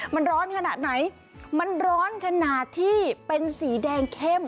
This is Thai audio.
มันร้อนขนาดไหนมันร้อนขนาดที่เป็นสีแดงเข้ม